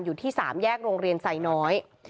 อยู่ที่๓แยกโรงเรียนไซน้อย